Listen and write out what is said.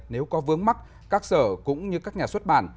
nếu có vướng mắc các sở cũng như các nhà xuất bản